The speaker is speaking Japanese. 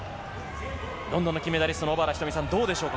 ロンドンの金メダリストの小原日登美さん、どうでしょうか。